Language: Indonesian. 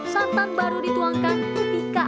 santan baru dituangkan ketika akan diangkat